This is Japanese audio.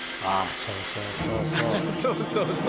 そうそう。